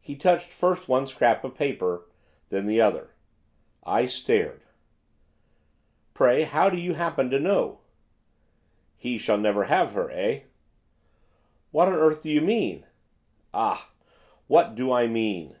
He touched first one scrap of paper, then the other. I stared. 'Pray how do you happen to know?' 'He shall never have her, eh?' 'What on earth do you mean?' 'Ah! what do I mean!